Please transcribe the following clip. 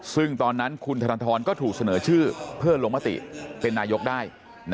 ซึ่งตอนนั้นคุณธนทรก็ถูกเสนอชื่อเพื่อลงมติเป็นนายกได้